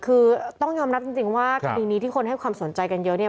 คือต้องยอมรับจริงว่าคดีนี้ที่คนให้ความสนใจกันเยอะเนี่ย